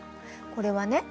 これはね